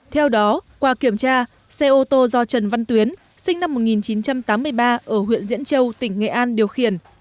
theo đó qua kiểm tra xe ô tô do trần văn tuyến sinh năm một nghìn chín trăm tám mươi ba ở huyện diễn châu tỉnh nghệ an điều khiển